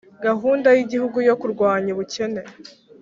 gahunda y'igihugu yo kurwanya ubukene